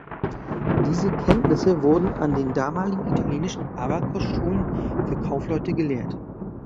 Diese Kenntnisse wurden an den damaligen italienischen Abakus-Schulen für Kaufleute gelehrt.